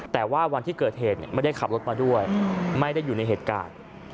แต่ว่าวันที่เกิดเหตุไม่ได้ขับรถมาด้วยไม่ได้อยู่ในเหตุการณ์